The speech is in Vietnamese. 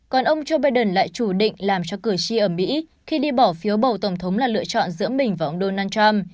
còn ông joe biden lại chủ định làm cho cử tri ở mỹ khi đi bỏ phiếu bầu tổng thống là lựa chọn giữa mình và ông donald trump